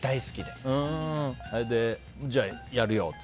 それで、じゃあやるよって？